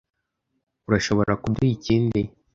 Urashobora kuduha ikindi?